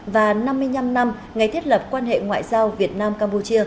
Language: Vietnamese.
và năm mươi năm năm ngày thiết lập quan hệ ngoại giao việt nam campuchia